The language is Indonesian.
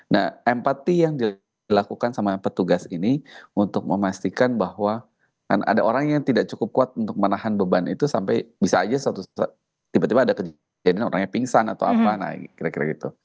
nah empati yang dilakukan sama petugas ini untuk memastikan bahwa ada orang yang tidak cukup kuat untuk menahan beban itu sampai bisa aja suatu tiba tiba ada kejadian orangnya pingsan atau apa kira kira gitu